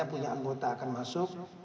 punya anggota akan masuk